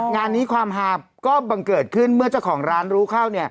งานนี้ความหาก็บังเกิดขึ้นเมื่อเจ้าของร้านรู้เข้า